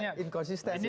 ini kan ada inkonsistensi